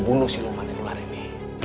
lo bunuh siluman ular ini